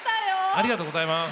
ありがとうございます。